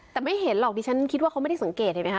แต่ไม่เห็นหรอกดิฉันคิดว่าเขาไม่ได้สังเกตเห็นไหมค